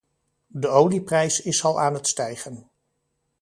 De olieprijs is al aan het stijgen.